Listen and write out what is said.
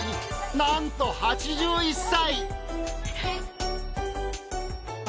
なんと８１歳。